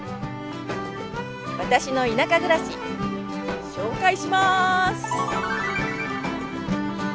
私の田舎暮らし紹介します！